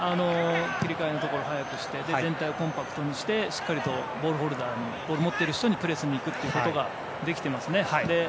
切り替えのところを早くして全体をコンパクトにしてしっかりとボールホルダーボールを持っている人にプレスにいくということができていますね。